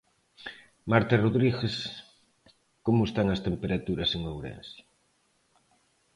Marta Rodríguez, como están as temperaturas en Ourense...